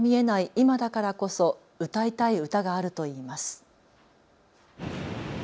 今だからこそ歌いたい歌があるといいます。